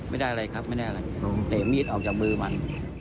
ไม่ได้อะไรครับไม่ได้อะไรผมเตะมีดออกจากมือมัน